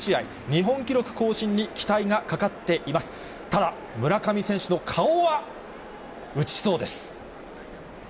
日本記録更新に期待がかかってい村上選手の顔は打ちそうです。